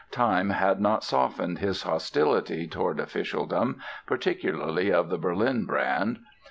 Time had not softened his hostility toward officialdom, particularly of the Berlin brand.